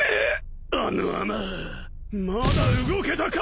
あのあままだ動けたか！